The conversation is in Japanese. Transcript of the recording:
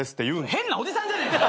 変なおじさんじゃねえか。